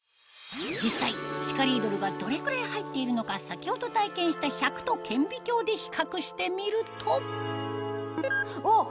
実際シカリードルがどれくらい入っているのか先ほど体験した１００と顕微鏡で比較してみるとおっ！